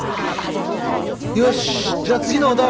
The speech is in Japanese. よしじゃあ次のお題。